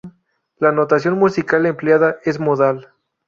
La notación musical empleada es modal.